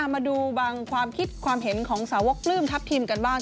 มาดูบางความคิดความเห็นของสาวกปลื้มทัพทิมกันบ้าง